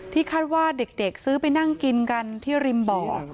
คาดว่าเด็กซื้อไปนั่งกินกันที่ริมบ่อ